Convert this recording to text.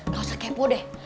gak usah kepo deh